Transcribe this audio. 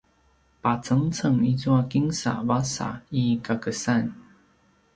pacengceng izua kinsa vasa i kakesan